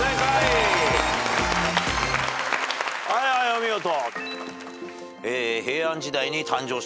はいはいお見事。